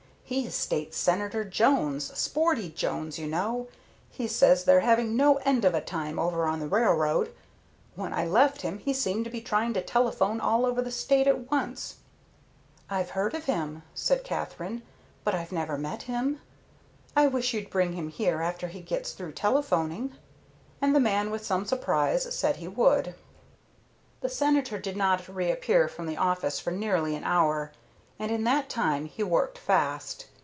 "He's State Senator Jones, Sporty Jones, you know. He says they're having no end of a time over on the railroad. When I left him he seemed to be trying to telephone all over the State at once." "I've heard of him," said Katherine, "but I've never met him. I wish you'd bring him here after he gets through telephoning." And the man with some surprise said he would. The Senator did not reappear from the office for nearly an hour, and in that time he worked fast.